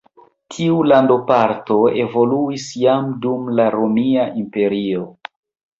Tiu landoparto evoluis jam dum la Romia Imperio.